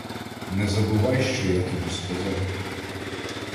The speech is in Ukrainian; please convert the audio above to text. Не забувай, що я тобі сказав.